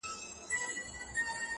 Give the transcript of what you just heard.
یوه ورځ به دي چیچي. پر سپینو لېچو.